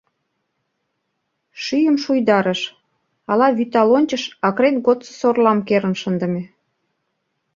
Шӱйым шуйдарыш — ала вӱта лончыш акрет годсо сорлам керын шындыме.